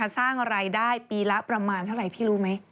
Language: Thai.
สร้างรายได้ปีละประมาณเท่าไหร่พี่รู้ไหม